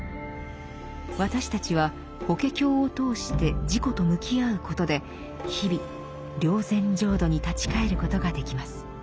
私たちは「法華経」を通して自己と向き合うことで日々「霊山浄土」に立ち返ることができます。